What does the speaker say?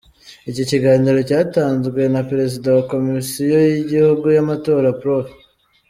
Iki kiganiro cyatanzwe na Perezida wa Komisiyo y’Igihugu y’amatora Prof.